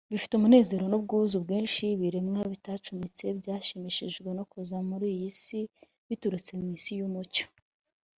. Bifite umunezero n’ubwuzu bwinshi, ibiremwa bitacumuye byashimishijwe no kuza muri iyi si biturutse mu isi y’umucyo